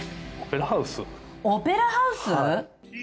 オペラハウス？